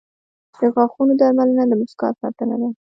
• د غاښونو درملنه د مسکا ساتنه ده.